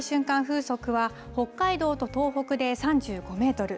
風速は北海道と東北で３５メートル。